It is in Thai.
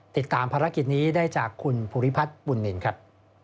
ติดตามภารกิจนี้ได้จากคุณภูริพัฒน์บุญนินครับ